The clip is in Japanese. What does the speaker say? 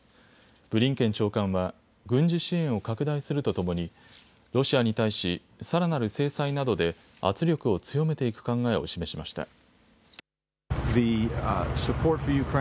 ブリンケン長官は軍事支援を拡大するとともにロシアに対しさらなる制裁などで圧力を強めていく考えを示しました。